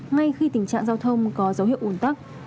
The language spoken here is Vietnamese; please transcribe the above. ngay khi tình trạng giao thông có dấu hiệu ủn tắc